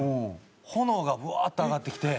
炎がブワーッと上がってきて。